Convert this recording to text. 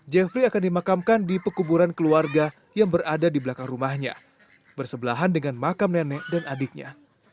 jeffrey akan dimakamkan di pekuburan keluarga yang berada di belakang rumahnya bersebelahan dengan makam nenek dan adiknya